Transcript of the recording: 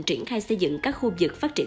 triển khai xây dựng các khu vực phát triển